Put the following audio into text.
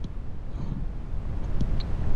زرغون ، زړگی ، زيار ، زېړگل ، زلمی ، زغرد ، زړور